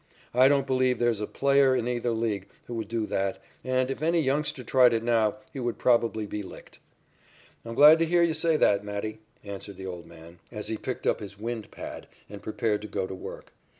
"I don't believe there is a player in either League who would do that, and, if any youngster tried it now, he would probably be licked." "I'm glad to hear you say that, Matty," answered the old man, as he picked up his wind pad and prepared to go to work.